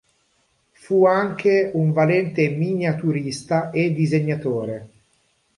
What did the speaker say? Fu anche un valente miniaturista e disegnatore.